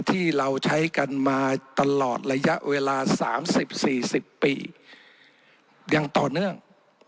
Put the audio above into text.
ที่เราใช้กันมาตลอดระยะเวลา๓๐๔๐ปียังต่อเนื่อง